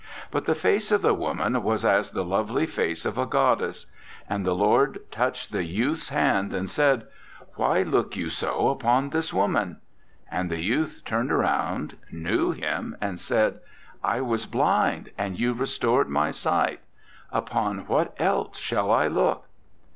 But the face of the woman was as the lovely face of a goddess. And the Lord touched the youth's hand, and said: 'Why look you so upon this woman?' And the youth turned around, knew him, and said: 'I was blind, and you restored my sight. Upon what else shall I look?'